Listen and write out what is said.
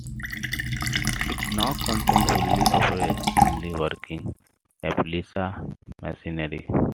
It now contains fully operational, working replica machinery.